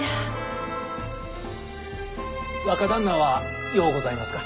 若旦那はようございますか？